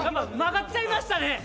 曲がっちゃいましたね。